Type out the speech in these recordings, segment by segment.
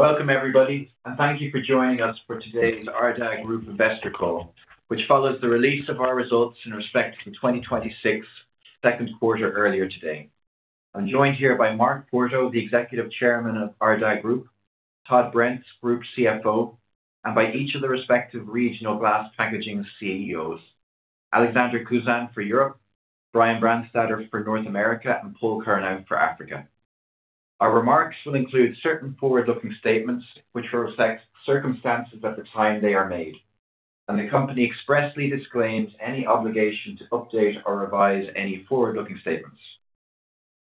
Welcome everybody. Thank you for joining us for today's Ardagh Group investor call, which follows the release of our results in respect to the 2026 second quarter earlier today. I'm joined here by Mark Porto, the Executive Chairman of Ardagh Group, Todd Brents, Group CFO, and by each of the respective regional glass packaging CEOs. Alexander Kuzan for Europe, Brian Brandstatter for North America, and Paul Curnow for Africa. Our remarks will include certain forward-looking statements, which reflect circumstances at the time they are made. The company expressly disclaims any obligation to update or revise any forward-looking statements.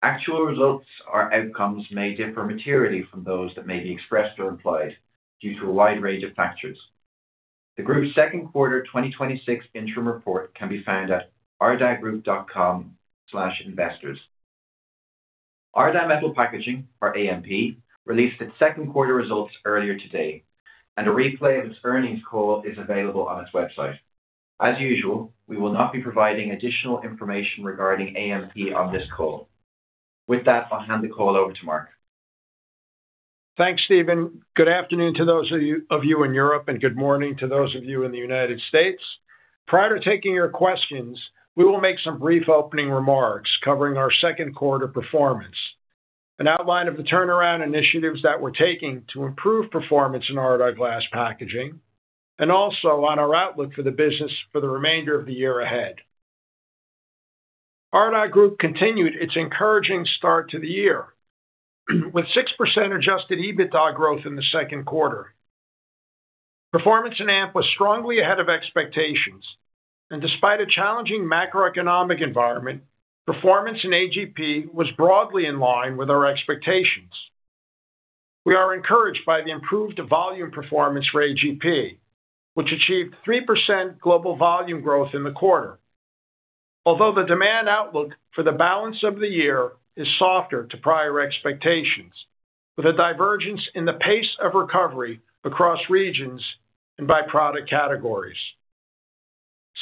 Actual results or outcomes may differ materially from those that may be expressed or implied due to a wide range of factors. The group's second quarter 2026 interim report can be found at ardaghgroup.com/investors. Ardagh Metal Packaging, or AMP, released its second quarter results earlier today. A replay of its earnings call is available on its website. As usual, we will not be providing additional information regarding AMP on this call. With that, I'll hand the call over to Mark. Thanks, Stephen. Good afternoon to those of you in Europe. Good morning to those of you in the U.S. Prior to taking your questions, we will make some brief opening remarks covering our second quarter performance, an outline of the turnaround initiatives that we're taking to improve performance in Ardagh Glass Packaging, and also on our outlook for the business for the remainder of the year ahead. Ardagh Group continued its encouraging start to the year with 6% adjusted EBITDA growth in the second quarter. Performance in AMP was strongly ahead of expectations, and despite a challenging macroeconomic environment, performance in AGP was broadly in line with our expectations. We are encouraged by the improved volume performance for AGP, which achieved 3% global volume growth in the quarter. The demand outlook for the balance of the year is softer to prior expectations, with a divergence in the pace of recovery across regions and by product categories.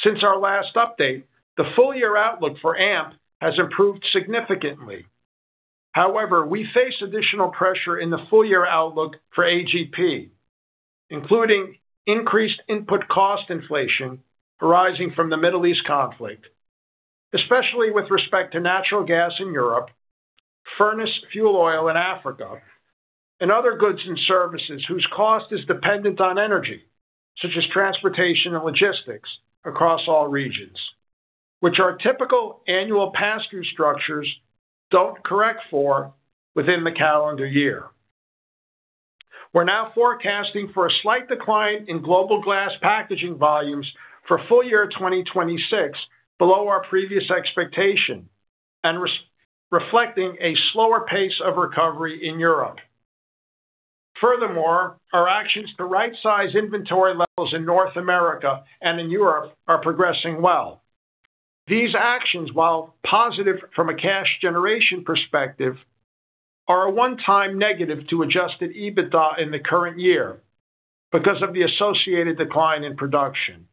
Since our last update, the full-year outlook for AMP has improved significantly. We face additional pressure in the full-year outlook for AGP, including increased input cost inflation arising from the Middle East conflict, especially with respect to natural gas in Europe, furnace fuel oil in Africa, and other goods and services whose cost is dependent on energy, such as transportation and logistics across all regions, which our typical annual pass-through structures don't correct for within the calendar year. We're now forecasting for a slight decline in global glass packaging volumes for full year 2026 below our previous expectation and reflecting a slower pace of recovery in Europe. Our actions to right-size inventory levels in North America and in Europe are progressing well. These actions, while positive from a cash generation perspective, are a one-time negative to adjusted EBITDA in the current year because of the associated decline in production.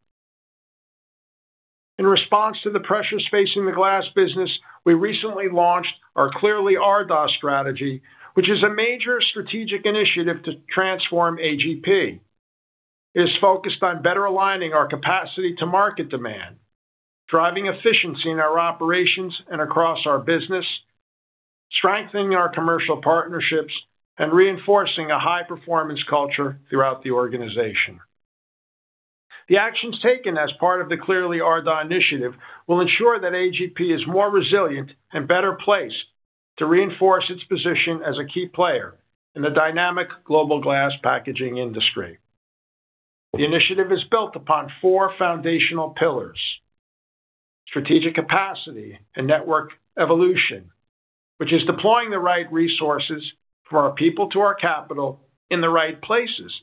In response to the pressures facing the glass business, we recently launched our Clearly Ardagh strategy, which is a major strategic initiative to transform AGP. It is focused on better aligning our capacity to market demand, driving efficiency in our operations and across our business, strengthening our commercial partnerships, and reinforcing a high-performance culture throughout the organization. The actions taken as part of the Clearly Ardagh initiative will ensure that AGP is more resilient and better placed to reinforce its position as a key player in the dynamic global glass packaging industry. The initiative is built upon four foundational pillars. Strategic capacity and network evolution, which is deploying the right resources for our people to our capital in the right places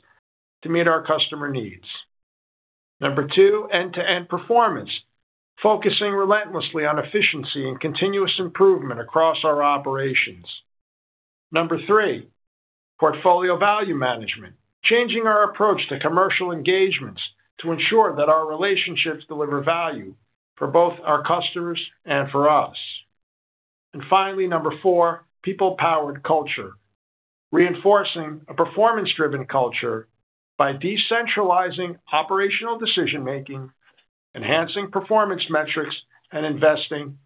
to meet our customer needs. Number two, end-to-end performance, focusing relentlessly on efficiency and continuous improvement across our operations. Number 3, portfolio value management, changing our approach to commercial engagements to ensure that our relationships deliver value for both our customers and for us. Finally, Number 4, people-powered culture. Reinforcing a performance-driven culture by decentralizing operational decision-making, enhancing performance metrics, and investing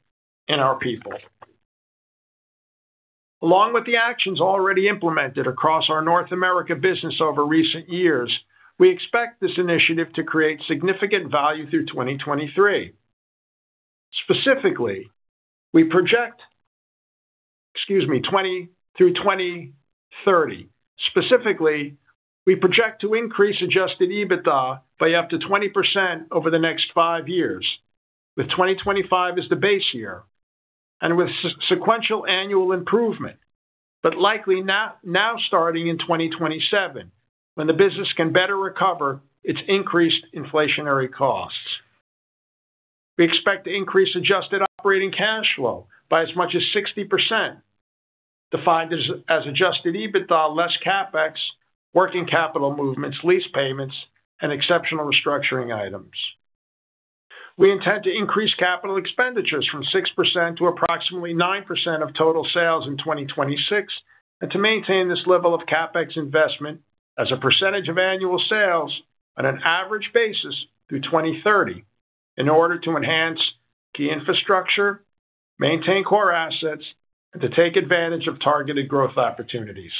in our people. Along with the actions already implemented across our North America business over recent years, we expect this initiative to create significant value through 2023. Specifically, we project through 2030. Specifically, we project to increase adjusted EBITDA by up to 20% over the next five years, with 2025 as the base year, and with sequential annual improvement. Likely now starting in 2027, when the business can better recover its increased inflationary costs. We expect to increase adjusted operating cash flow by as much as 60%, defined as adjusted EBITDA, less CapEx, working capital movements, lease payments, and exceptional restructuring items. We intend to increase capital expenditures from 6% to approximately 9% of total sales in 2026, and to maintain this level of CapEx investment as a percentage of annual sales on an average basis through 2030 in order to enhance key infrastructure, maintain core assets, and to take advantage of targeted growth opportunities.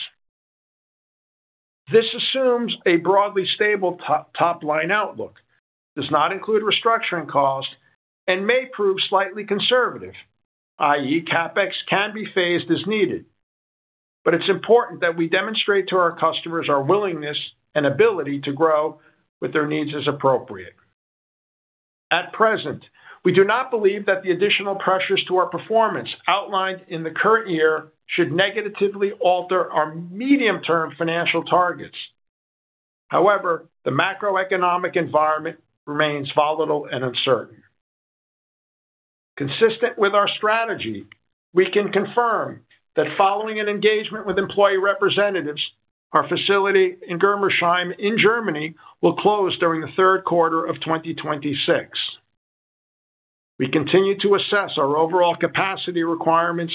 This assumes a broadly stable top-line outlook, does not include restructuring costs, and may prove slightly conservative, i.e., CapEx can be phased as needed. It's important that we demonstrate to our customers our willingness and ability to grow with their needs as appropriate. At present, we do not believe that the additional pressures to our performance outlined in the current year should negatively alter our medium-term financial targets. However, the macroeconomic environment remains volatile and uncertain. Consistent with our strategy, we can confirm that following an engagement with employee representatives, our facility in Germersheim in Germany will close during the third quarter of 2026. We continue to assess our overall capacity requirements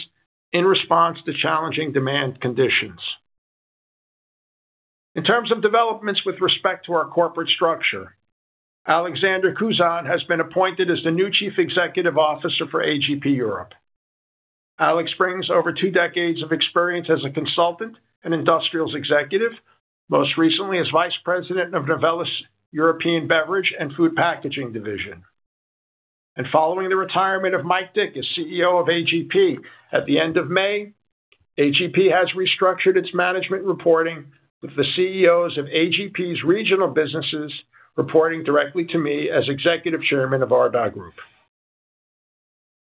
in response to challenging demand conditions. In terms of developments with respect to our corporate structure, Alexander Kuzan has been appointed as the new chief executive officer for AGP Europe. Alex brings over two decades of experience as a consultant and industrials executive, most recently as vice president of Novelis' European Beverage and Food Packaging Division. Following the retirement of Mike Dick as Chief Executive Officer of AGP at the end of May, AGP has restructured its management reporting, with the Chief Executive Officers of AGP's regional businesses reporting directly to me as Executive Chairman of Ardagh Group.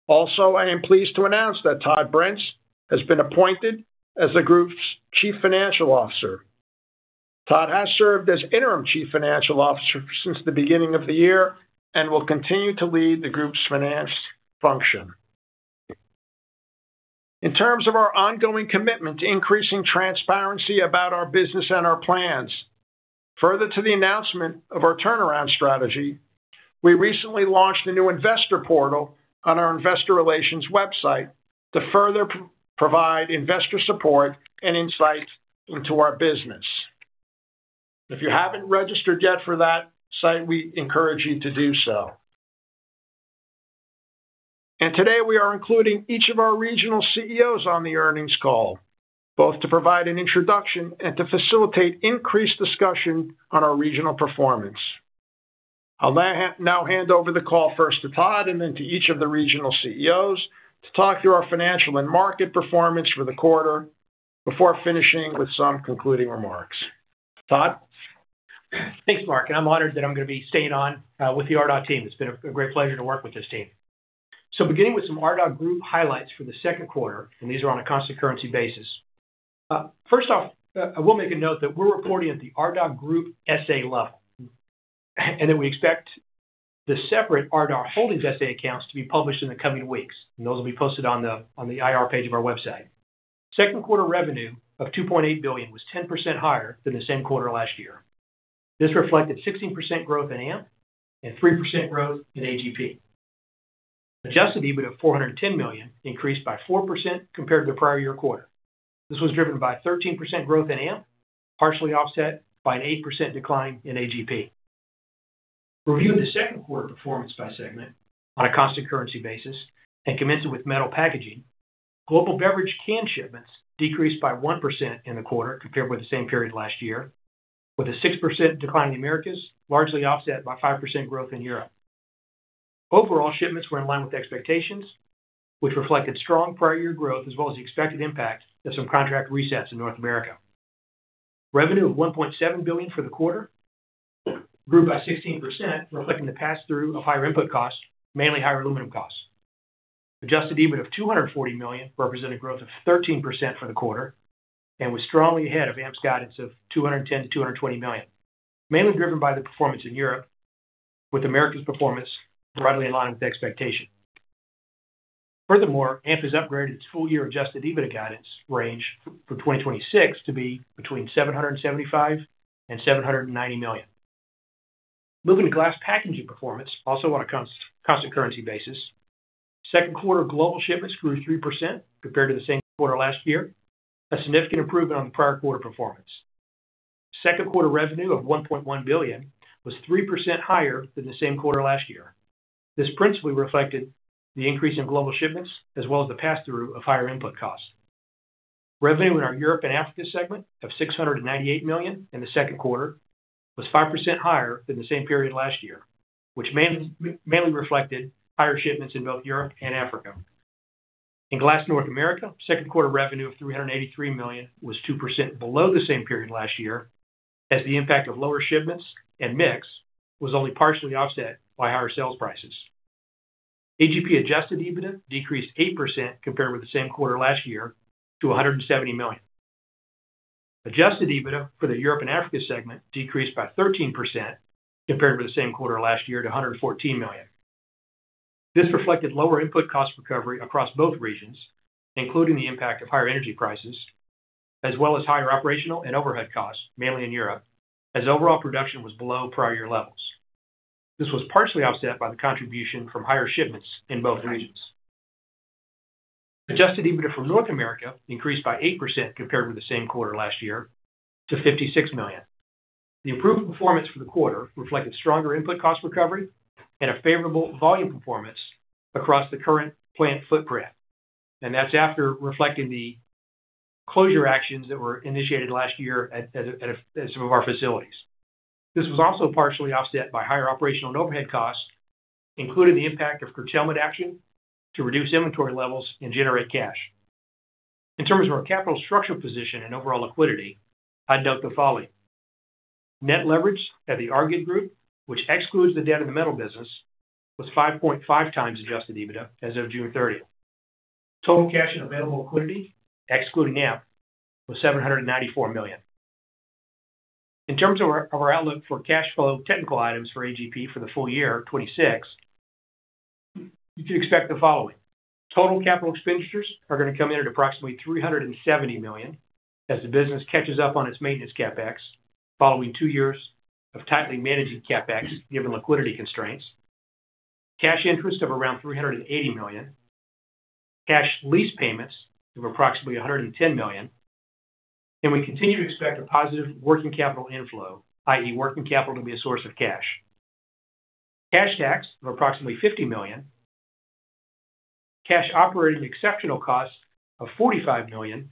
Also, I am pleased to announce that Todd Brents has been appointed as the group's Chief Financial Officer. Todd has served as interim Chief Financial Officer since the beginning of the year and will continue to lead the group's finance function. In terms of our ongoing commitment to increasing transparency about our business and our plans, further to the announcement of our turnaround strategy, we recently launched a new investor portal on our investor relations website to further provide investor support and insight into our business. If you haven't registered yet for that site, we encourage you to do so. Today, we are including each of our regional CEOs on the earnings call, both to provide an introduction and to facilitate increased discussion on our regional performance. I'll now hand over the call first to Todd and then to each of the regional CEOs to talk through our financial and market performance for the quarter before finishing with some concluding remarks. Todd? Thanks, Mark. I'm honored that I'm going to be staying on with the Ardagh team. It's been a great pleasure to work with this team. Beginning with some Ardagh Group highlights for the second quarter, these are on a constant currency basis. First off, I will make a note that we're reporting at the Ardagh Group S.A. level, and that we expect the separate Ardagh Holdings S.A. accounts to be published in the coming weeks, and those will be posted on the IR page of our website. Second quarter revenue of $2.8 billion was 10% higher than the same quarter last year. This reflected 16% growth in AMP and 3% growth in AGP. Adjusted EBIT of $410 million increased by 4% compared to the prior year quarter. This was driven by 13% growth in AMP, partially offset by an 8% decline in AGP. Reviewing the second quarter performance by segment on a constant currency basis, commencing with metal packaging, global beverage can shipments decreased by 1% in the quarter compared with the same period last year, with a 6% decline in Americas, largely offset by 5% growth in Europe. Overall, shipments were in line with expectations, which reflected strong prior year growth, as well as the expected impact of some contract resets in North America. Revenue of $1.7 billion for the quarter grew by 16%, reflecting the pass-through of higher input costs, mainly higher aluminum costs. Adjusted EBIT of $240 million represented growth of 13% for the quarter and was strongly ahead of AMP's guidance of $210 million-$220 million, mainly driven by the performance in Europe, with America's performance broadly in line with expectation. Furthermore, AMP has upgraded its full year adjusted EBITDA guidance range for 2026 to be between $775 million and $790 million. Moving to glass packaging performance, also on a constant currency basis. Second quarter global shipments grew 3% compared to the same quarter last year, a significant improvement on the prior quarter performance. Second quarter revenue of $1.1 billion was 3% higher than the same quarter last year. This principally reflected the increase in global shipments as well as the pass-through of higher input costs. Revenue in our Europe and Africa segment of $698 million in the second quarter was 5% higher than the same period last year, which mainly reflected higher shipments in both Europe and Africa. In Glass North America, second quarter revenue of $383 million was 2% below the same period last year as the impact of lower shipments and mix was only partially offset by higher sales prices. AGP adjusted EBITDA decreased 8% compared with the same quarter last year to $170 million. Adjusted EBITDA for the Europe and Africa segment decreased by 13% compared with the same quarter last year to $114 million. This reflected lower input cost recovery across both regions, including the impact of higher energy prices as well as higher operational and overhead costs, mainly in Europe, as overall production was below prior year levels. This was partially offset by the contribution from higher shipments in both regions. Adjusted EBITDA for North America increased by 8% compared with the same quarter last year to $56 million. The improved performance for the quarter reflected stronger input cost recovery and a favorable volume performance across the current plant footprint, that's after reflecting the closure actions that were initiated last year at some of our facilities. This was also partially offset by higher operational and overhead costs, including the impact of curtailment action to reduce inventory levels and generate cash. In terms of our capital structure position and overall liquidity, I would note the following. Net leverage at the Ardagh Group, which excludes the debt of the metal business, was 5.5 times adjusted EBITDA as of June 30th. Total cash and available liquidity, excluding AMP, was $794 million. In terms of our outlook for cash flow technical items for AGP for the full year 2026, you can expect the following. Total capital expenditures are going to come in at approximately $370 million as the business catches up on its maintenance CapEx following two years of tightly managing CapEx, given liquidity constraints. Cash interest of around $380 million. Cash lease payments of approximately $110 million. We continue to expect a positive working capital inflow, i.e. working capital to be a source of cash. Cash tax of approximately $50 million. Cash operating exceptional costs of $45 million,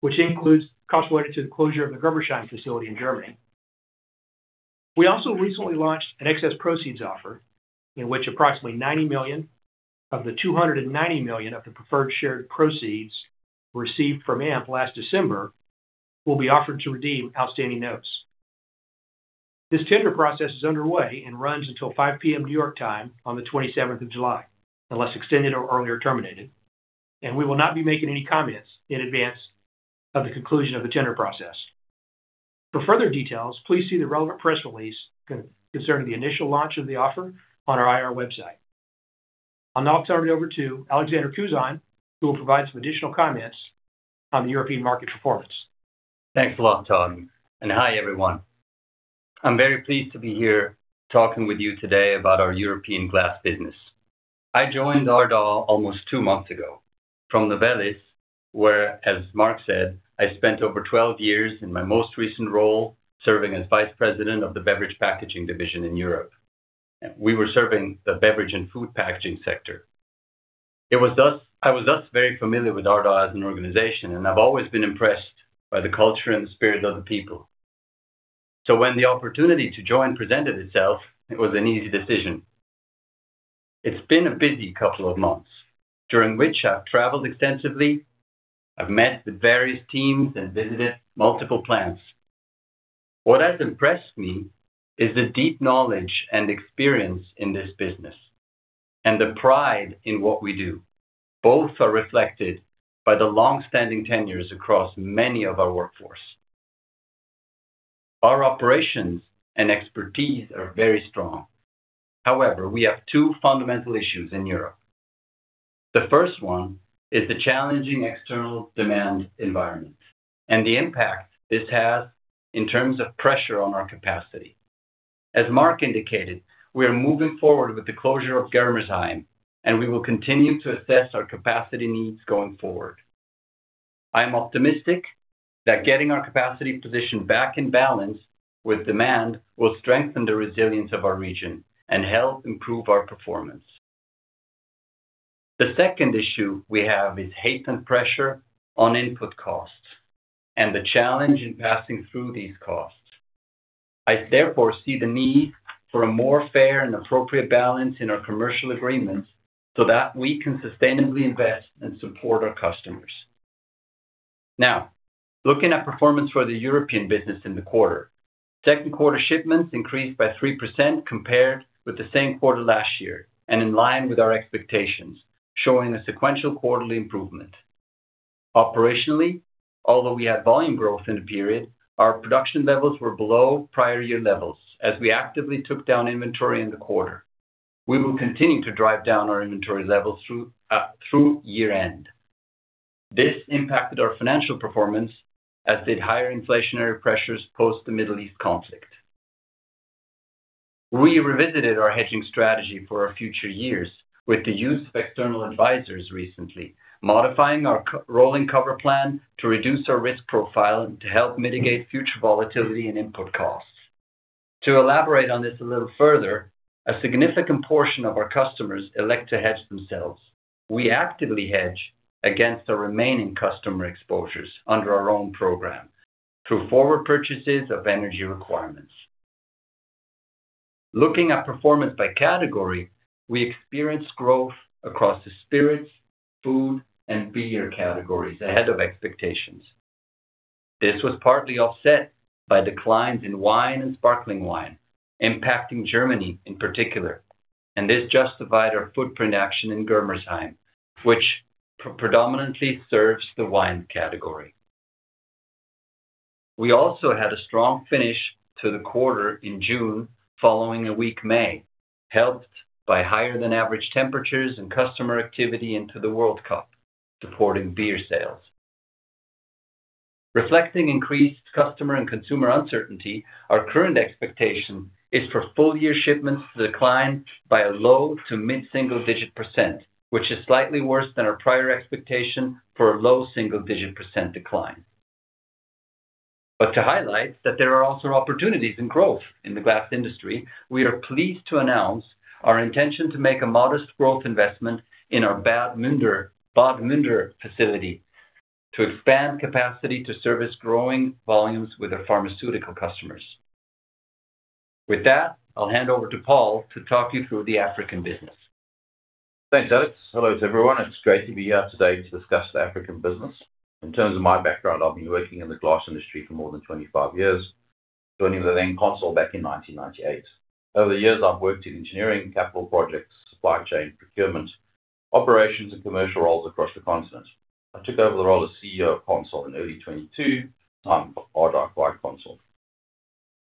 which includes costs related to the closure of the Germersheim facility in Germany. We also recently launched an excess proceeds offer, in which approximately $90 million of the $290 million of the preferred shared proceeds received from AMP last December will be offered to redeem outstanding notes. This tender process is underway and runs until 5:00 P.M. New York time on the 27th of July, unless extended or earlier terminated, and we will not be making any comments in advance of the conclusion of the tender process. For further details, please see the relevant press release concerning the initial launch of the offer on our IR website. I'll now turn it over to Alexander Kuzan, who will provide some additional comments on the European market performance. Thanks a lot, Todd, and hi, everyone. I'm very pleased to be here talking with you today about our European glass business. I joined Ardagh almost two months ago from Novelis, where, as Mark said, I spent over 12 years in my most recent role serving as vice president of the beverage packaging division in Europe. We were serving the beverage and food packaging sector. I was thus very familiar with Ardagh as an organization, and I've always been impressed by the culture and the spirit of the people. When the opportunity to join presented itself, it was an easy decision. It's been a busy couple of months, during which I've traveled extensively. I've met the various teams and visited multiple plants. What has impressed me is the deep knowledge and experience in this business and the pride in what we do. Both are reflected by the longstanding tenures across many of our workforce. Our operations and expertise are very strong. However, we have two fundamental issues in Europe. The first one is the challenging external demand environment and the impact this has in terms of pressure on our capacity. As Mark indicated, we are moving forward with the closure of Germersheim, and we will continue to assess our capacity needs going forward. I am optimistic that getting our capacity position back in balance with demand will strengthen the resilience of our region and help improve our performance. The second issue we have is heightened pressure on input costs and the challenge in passing through these costs. I therefore see the need for a more fair and appropriate balance in our commercial agreements so that we can sustainably invest and support our customers. Looking at performance for the European business in the quarter. Second quarter shipments increased by 3% compared with the same quarter last year and in line with our expectations, showing a sequential quarterly improvement. Operationally, although we had volume growth in the period, our production levels were below prior year levels as we actively took down inventory in the quarter. We will continue to drive down our inventory levels through year-end. This impacted our financial performance, as did higher inflationary pressures post the Middle East conflict. We revisited our hedging strategy for our future years with the use of external advisors recently. Modifying our rolling cover plan to reduce our risk profile and to help mitigate future volatility and input costs. To elaborate on this a little further, a significant portion of our customers elect to hedge themselves. We actively hedge against the remaining customer exposures under our own program through forward purchases of energy requirements. Looking at performance by category, we experienced growth across the spirits, food, and beer categories ahead of expectations. This was partly offset by declines in wine and sparkling wine, impacting Germany in particular, and this justified our footprint action in Germersheim, which predominantly serves the wine category. We also had a strong finish to the quarter in June, following a weak May, helped by higher than average temperatures and customer activity into the World Cup, supporting beer sales. Reflecting increased customer and consumer uncertainty, our current expectation is for full-year shipments to decline by a low to mid-single digit %, which is slightly worse than our prior expectation for a low single-digit % decline. To highlight that there are also opportunities and growth in the glass industry, we are pleased to announce our intention to make a modest growth investment in our Bad Münder facility to expand capacity to service growing volumes with our pharmaceutical customers. With that, I'll hand over to Paul to talk you through the African business. Thanks, Alex. Hello to everyone. It's great to be here today to discuss the African business. In terms of my background, I've been working in the glass industry for more than 25 years, joining the then Consol back in 1998. Over the years, I've worked in engineering capital projects, supply chain procurement, operations, and commercial roles across the continent. I took over the role as CEO of Consol in early 2022 on Ardagh acquired Consol.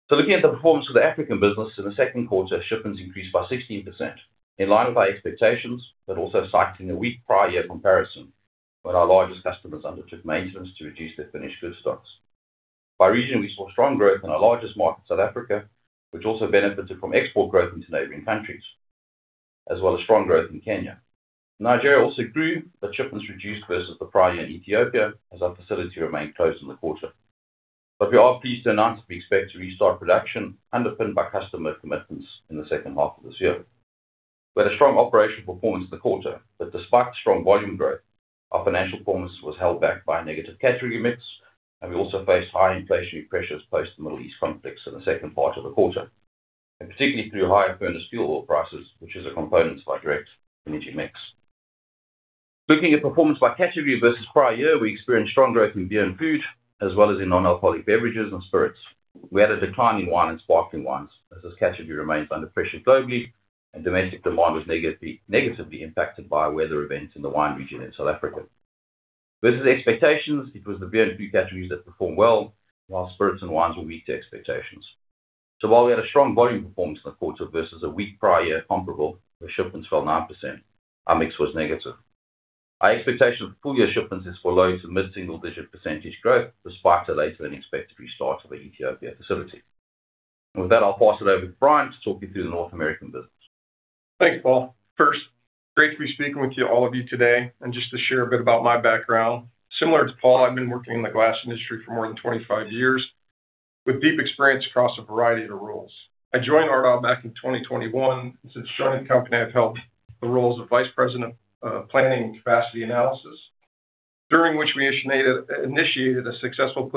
Looking at the performance of the African business in the second quarter, shipments increased by 16%, in line with our expectations, but also citing a weak prior year comparison when our largest customers undertook maintenance to reduce their finished goods stocks. By region, we saw strong growth in our largest market, South Africa, which also benefited from export growth into neighboring countries, as well as strong growth in Kenya. Nigeria also grew, shipments reduced versus the prior year in Ethiopia as our facility remained closed in the quarter. We are pleased to announce that we expect to restart production underpinned by customer commitments in the second half of this year. We had a strong operational performance in the quarter, but despite strong volume growth, our financial performance was held back by negative category mix, and we also faced high inflationary pressures post the Middle East conflicts in the second part of the quarter, and particularly through higher furnace fuel oil prices, which is a component to our direct energy mix. Looking at performance by category versus prior year, we experienced strong growth in beer and food as well as in non-alcoholic beverages and spirits. We had a decline in wine and sparkling wines, as this category remains under pressure globally, and domestic demand was negatively impacted by weather events in the wine region in South Africa. Versus expectations, it was the beer and food categories that performed well, while spirits and wines were weak to expectations. While we had a strong volume performance in the quarter versus a weak prior year comparable where shipments fell 9%, our mix was negative. Our expectation for full-year shipments is for low to mid-single digit percentage growth, despite a later-than-expected restart of the Ethiopia facility. With that, I will pass it over to Brian to talk you through the North American business. Thanks, Paul. First, great to be speaking with all of you today. Just to share a bit about my background, similar to Paul, I have been working in the glass industry for more than 25 years with deep experience across a variety of roles. I joined Ardagh back in 2021, and since joining the company, I have held the roles of vice president of planning and capacity analysis, during which we initiated a successful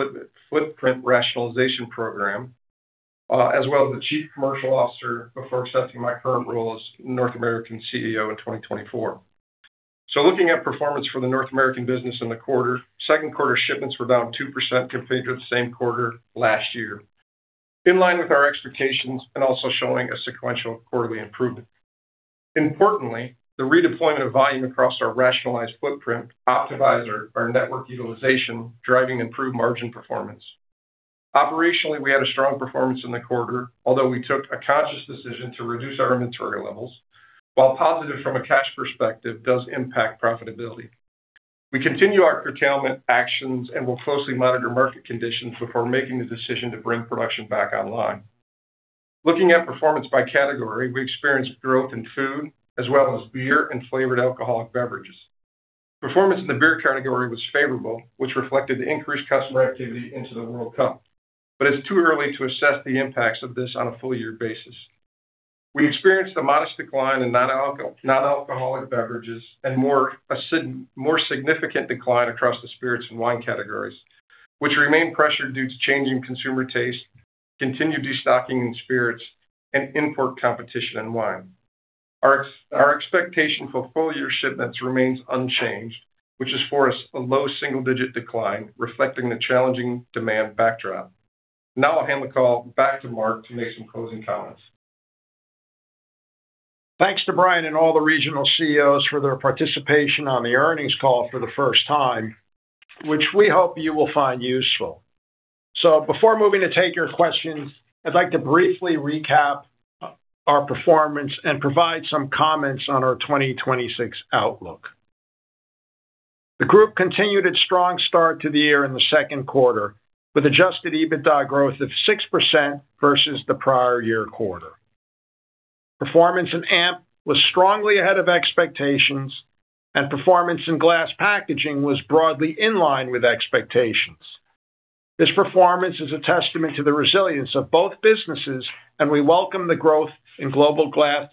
footprint rationalization program, as well as the chief commercial officer before accepting my current role as North American CEO in 2024. Looking at performance for the North American business in the quarter, second quarter shipments were down 2% compared to the same quarter last year, in line with our expectations and also showing a sequential quarterly improvement. Importantly, the redeployment of volume across our rationalized footprint optimized our network utilization, driving improved margin performance. Operationally, we had a strong performance in the quarter, although we took a conscious decision to reduce our inventory levels. While positive from a cash perspective, it does impact profitability. We continue our curtailment actions and will closely monitor market conditions before making the decision to bring production back online. Looking at performance by category, we experienced growth in food as well as beer and flavored alcoholic beverages. Performance in the beer category was favorable, which reflected increased customer activity into the World Cup. It is too early to assess the impacts of this on a full-year basis. We experienced a modest decline in non-alcoholic beverages and a more significant decline across the spirits and wine categories, which remain pressured due to changing consumer taste, continued destocking in spirits, and import competition in wine. Our expectation for full-year shipments remains unchanged, which is for a low single-digit decline, reflecting the challenging demand backdrop. I will hand the call back to Mark to make some closing comments. Thanks to Brian and all the regional CEOs for their participation on the earnings call for the first time, which we hope you will find useful. Before moving to take your questions, I'd like to briefly recap our performance and provide some comments on our 2026 outlook. The group continued its strong start to the year in the second quarter with adjusted EBITDA growth of 6% versus the prior year quarter. Performance in AMP was strongly ahead of expectations, and performance in glass packaging was broadly in line with expectations. This performance is a testament to the resilience of both businesses, and we welcome the growth in global glass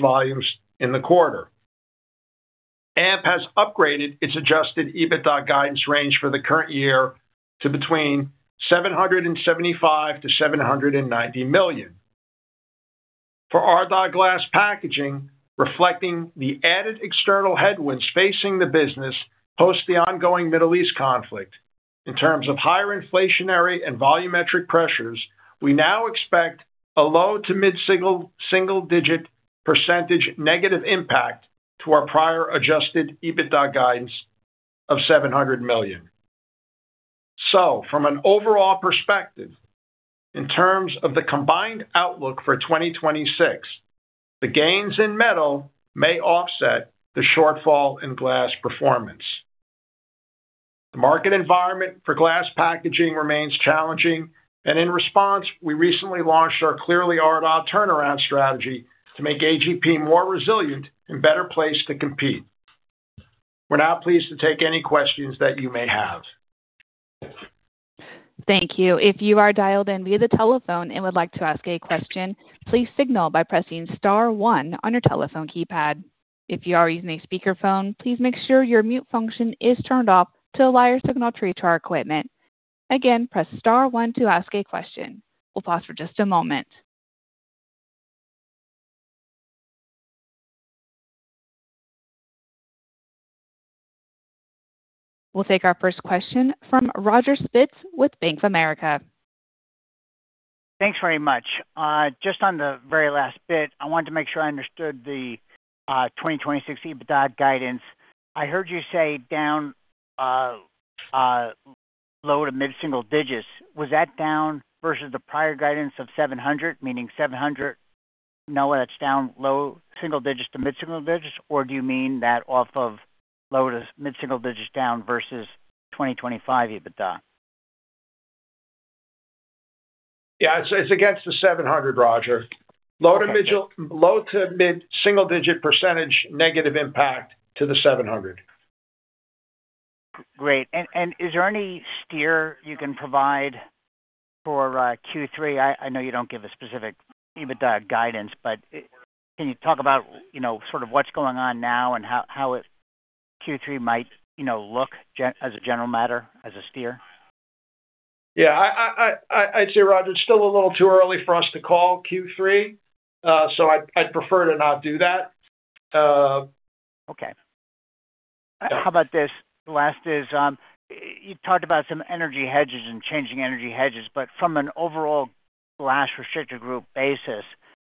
volumes in the quarter. AMP has upgraded its adjusted EBITDA guidance range for the current year to between $775 million-$790 million. For Ardagh Glass Packaging, reflecting the added external headwinds facing the business post the ongoing Middle East conflict in terms of higher inflationary and volumetric pressures, we now expect a low to mid-single digit percentage negative impact to our prior adjusted EBITDA guidance of $700 million. From an overall perspective, in terms of the combined outlook for 2026, the gains in metal may offset the shortfall in glass performance. The market environment for glass packaging remains challenging, and in response, we recently launched our Clearly Ardagh turnaround strategy to make AGP more resilient and better placed to compete. We're now pleased to take any questions that you may have. Thank you. If you are dialed in via the telephone and would like to ask a question, please signal by pressing star one on your telephone keypad. If you are using a speakerphone, please make sure your mute function is turned off to allow your signal to reach our equipment. Again, press star one to ask a question. We'll pause for just a moment. We'll take our first question from Roger Spitz with Bank of America. Thanks very much. Just on the very last bit, I wanted to make sure I understood the 2026 EBITDA guidance. I heard you say down low to mid-single digits. Was that down versus the prior guidance of $700 million, meaning $700 million now that's down low single digits to mid-single digits? Or do you mean that off of low to mid-single digits down versus 2025 EBITDA? Yeah, it's against the 700, Roger. Low to mid-single digit % negative impact to the 700. Great. Is there any steer you can provide for Q3? I know you don't give a specific EBITDA guidance, but can you talk about what's going on now and how Q3 might look as a general matter, as a steer? Yeah. I'd say, Roger, it's still a little too early for us to call Q3, so I'd prefer to not do that. Okay. How about this? Last is, you talked about some energy hedges and changing energy hedges, but from an overall Glass Restructure Group basis,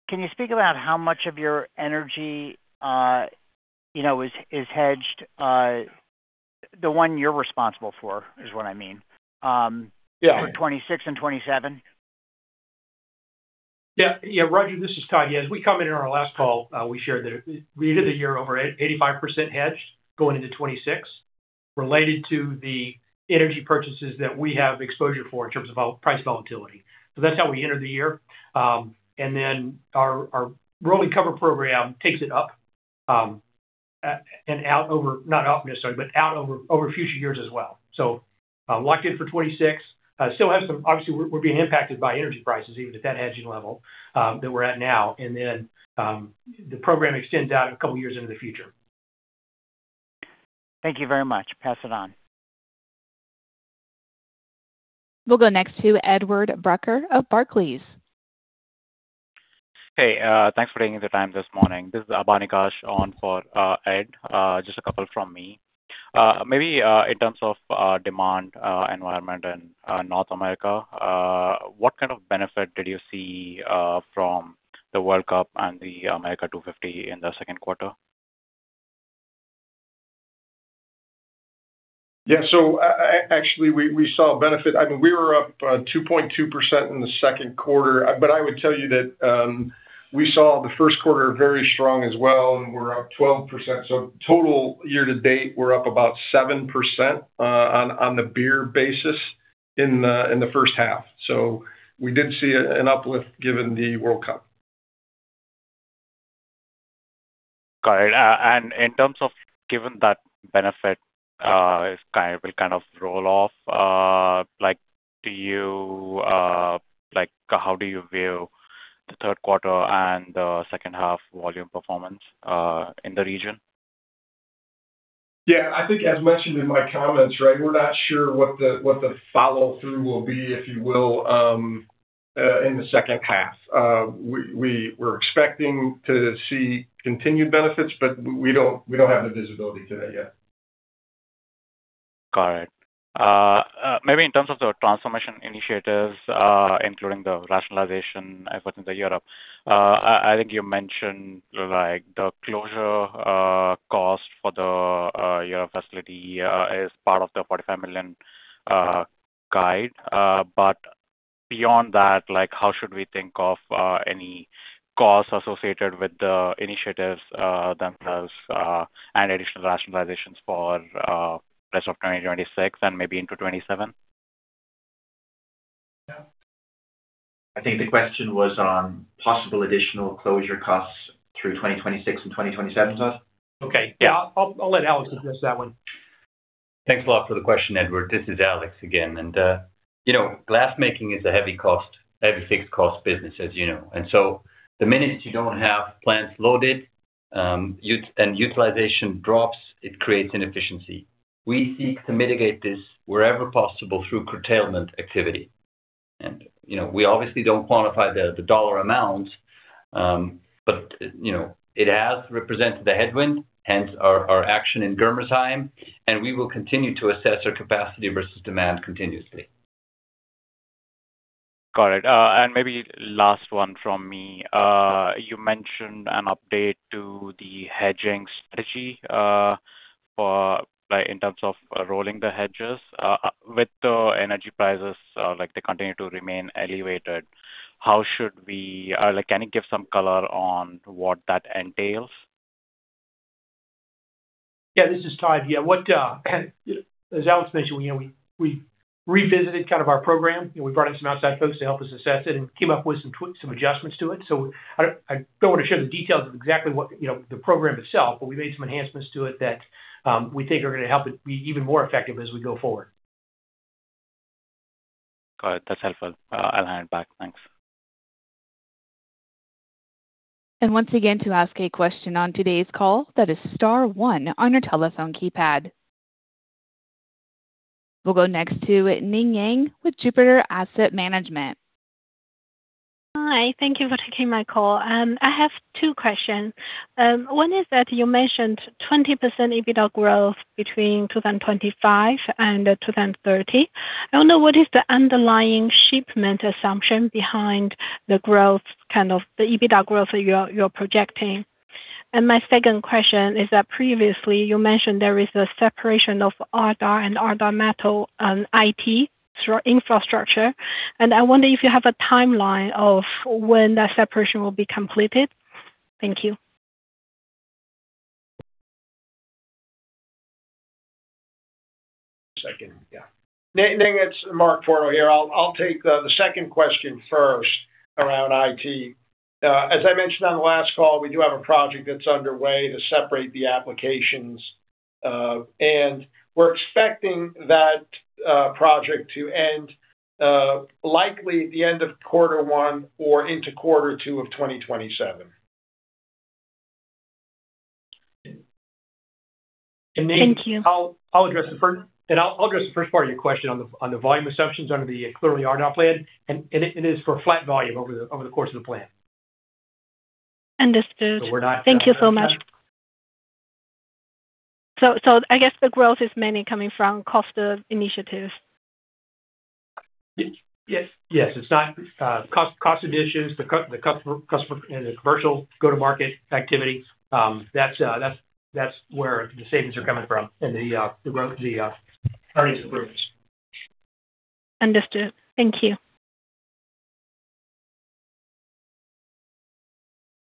can you speak about how much of your energy is hedged? The one you're responsible for is what I mean for 2026 and 2027. Yeah, Roger, this is Todd. Yeah, as we commented on our last call, we shared that we entered the year over 85% hedged going into 2026, related to the energy purchases that we have exposure for in terms of price volatility. That's how we entered the year. Our rolling cover program takes it up and out over, not up necessarily, but out over future years as well. Locked in for 2026. Still have some. Obviously, we're being impacted by energy prices even at that hedging level that we're at now, and then the program extends out a couple of years into the future. Thank you very much. Pass it on. We'll go next to Edward Brucker of Barclays. Hey, thanks for taking the time this morning. This is Abanikash on for Ed. Just a couple from me. Maybe in terms of demand environment in North America, what kind of benefit did you see from the World Cup and the America 250 in the second quarter? Actually we saw a benefit. We were up 2.2% in the second quarter. I would tell you that we saw the first quarter very strong as well, and we're up 12%. Total year to date, we're up about 7% on the beer basis in the first half. We did see an uplift given the World Cup. Got it. In terms of given that benefit will kind of roll off, how do you view the third quarter and the second half volume performance in the region? I think as mentioned in my comments, right? We're not sure what the follow-through will be, if you will, in the second half. We're expecting to see continued benefits, but we don't have the visibility to that yet. Got it. Maybe in terms of the transformation initiatives, including the rationalization efforts in the Europe, I think you mentioned the closure cost for the Europe facility is part of the $45 million guide. Beyond that, how should we think of any costs associated with the initiatives themselves, and additional rationalizations for rest of 2026 and maybe into 2027? I think the question was on possible additional closure costs through 2026 and 2027, Todd? Okay. Yeah. I'll let Alex address that one. Thanks a lot for the question, Edward. This is Alex again. Glass making is a heavy cost, heavy fixed cost business, as you know. The minute you don't have plants loaded, and utilization drops, it creates inefficiency. We seek to mitigate this wherever possible through curtailment activity. We obviously don't quantify the dollar amount, but it has represented a headwind, hence our action in Germersheim, and we will continue to assess our capacity versus demand continuously. Got it. Maybe last one from me. You mentioned an update to the hedging strategy in terms of rolling the hedges. With the energy prices, they continue to remain elevated. Can you give some color on what that entails? Yeah, this is Todd. As Alex mentioned, we revisited our program. We brought in some outside folks to help us assess it and came up with some adjustments to it. I don't want to share the details of exactly the program itself, but we made some enhancements to it that we think are going to help it be even more effective as we go forward. Got it. That's helpful. I'll hand it back. Thanks. Once again, to ask a question on today's call, that is star one on your telephone keypad. We'll go next to Ning Yang with Jupiter Asset Management. Hi, thank you for taking my call. I have two questions. One is that you mentioned 20% EBITDA growth between 2025 and 2030. I don't know what is the underlying shipment assumption behind the EBITDA growth you're projecting. My second question is that previously you mentioned there is a separation of Ardagh and Ardagh Metal on IT through infrastructure, and I wonder if you have a timeline of when that separation will be completed. Thank you. Second. Ning, it's Mark Porto here. I'll take the second question first around IT. As I mentioned on the last call, we do have a project that's underway to separate the applications. We're expecting that project to end likely at the end of quarter one or into quarter two of 2027. Thank you. Ning, I'll address the first part of your question on the volume assumptions under the Clearly Ardagh plan, and it is for flat volume over the course of the plan. Understood. Thank you so much. I guess the growth is mainly coming from cost initiatives. Yes. Cost additions, the commercial go-to-market activity. That's where the savings are coming from. The earnings improvements. Understood. Thank you.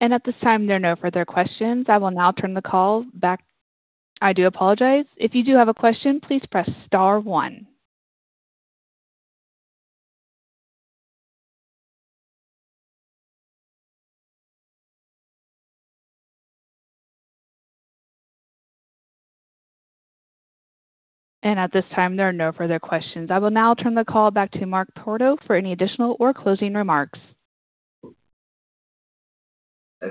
At this time, there are no further questions. I will now turn the call back. I do apologize. If you do have a question, please press star one. At this time, there are no further questions. I will now turn the call back to Mark Porto for any additional or closing remarks.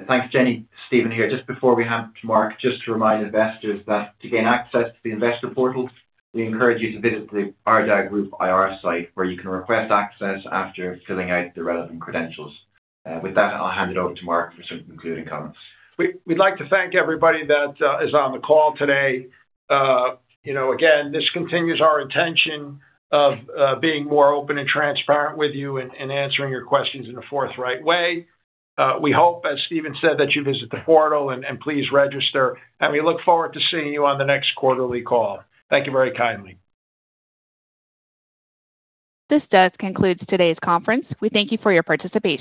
Thanks, Jenny. Stephen here. Just before we hand it to Mark, just to remind investors that to gain access to the investor portal, we encourage you to visit the Ardagh Group IR site, where you can request access after filling out the relevant credentials. With that, I'll hand it over to Mark for some concluding comments. We'd like to thank everybody that is on the call today. This continues our intention of being more open and transparent with you and answering your questions in a forthright way. We hope, as Stephen said, that you visit the portal and please register, and we look forward to seeing you on the next quarterly call. Thank you very kindly. This does conclude today's conference. We thank you for your participation.